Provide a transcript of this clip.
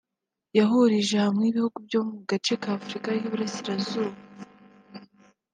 yahurije hamwe ibihugu byo mu gace ka Afurika y’uburasirazuba